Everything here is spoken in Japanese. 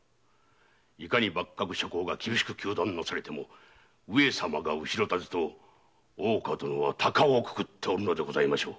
いかに幕閣諸侯が厳しく糾弾なされても「上様が後ろ盾」と大岡殿はタカをくくっておるのでしょう。